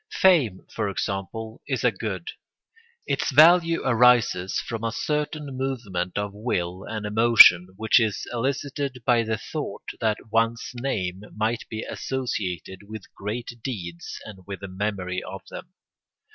] Fame, for example, is a good; its value arises from a certain movement of will and emotion which is elicited by the thought that one's name might be associated with great deeds and with the memory of them.